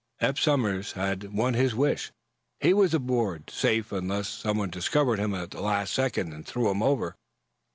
Eph Somers had won his wish. He was aboard safe unless someone discovered him at the last second and threw him over.